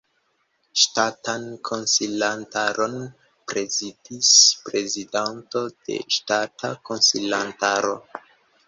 Ŝtatan Konsilantaron prezidis Prezidanto de Ŝtata Konsilantaro.